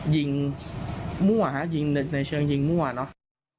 ยิงมั่วฮะยิงในเชิงยิงมั่วเนอะ